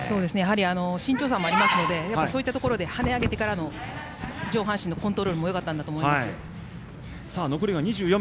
身長差もありますので跳ね上げてからの上半身のコントロールもよかったと思います。